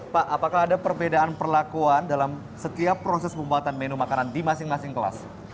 pak apakah ada perbedaan perlakuan dalam setiap proses pembuatan menu makanan di masing masing kelas